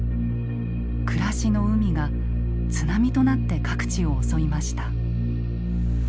暮らしの海が津波となって各地を襲いました。